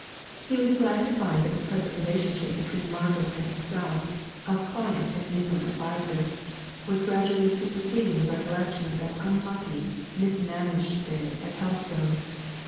He was glad to find that the present relationship between Margaret and himself, of client and legal adviser, was gradually superseding the recollection of that unlucky, mismanaged day at Helstone.